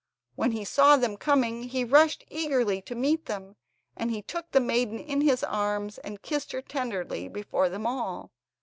When he saw them coming he rushed eagerly to meet them, and he took the maiden in his arms and kissed her tenderly before them all.